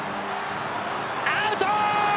アウト！